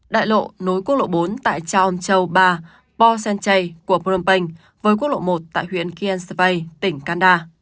đại lộ nối quốc lộ bốn tại chaon châu ba po san chay của phnom penh với quốc lộ một tại huyện kien svei tỉnh kanda